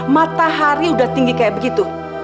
matahari udah tinggi kayak begitu